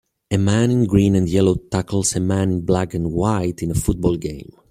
A man in green and yellow tackles a man in black and white in a football game.